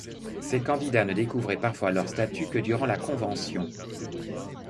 Ces candidats ne découvraient parfois leur statut que durant la convention.